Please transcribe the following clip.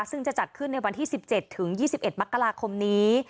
ซึ่งจะจัดขึ้นในวันที่๑๗ถึง๒๑มกราคมนี้